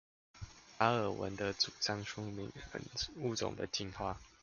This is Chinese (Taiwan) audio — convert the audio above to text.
達爾文的主張說明了物種的進化